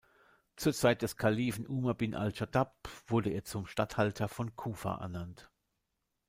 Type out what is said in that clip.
Zur Zeit des Kalifen ʿUmar ibn al-Chattāb wurde er zum Statthalter von Kufa ernannt.